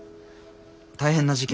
大変な事件？